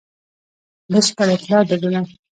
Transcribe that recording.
بشپړه اطلاع درلوده.